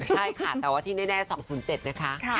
ใช่ค่ะแต่ว่าที่แน่๒๐๗นะคะ